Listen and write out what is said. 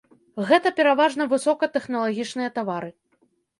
Гэта пераважна высокатэхналагічныя тавары.